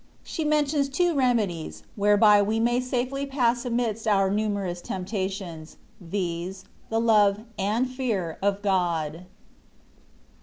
SHE MENTIONS TWO BEMEDIES, WHEBEBT WE MAT SAFELY PASS AMIDST OUB NUMEBOUS TEMPTATIONS, VIZ., THE LOVE AND FEAB OF (K)D.